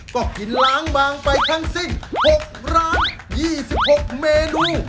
ก็กินล้างบางไปทั้งสิ้น๖ร้าน๒๖เมนู